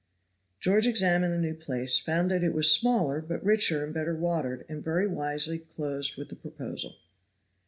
George examined the new place, found that it was smaller but richer and better watered, and very wisely closed with the proposal.